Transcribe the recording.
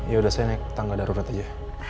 yaudah saya naik tangga darurat aja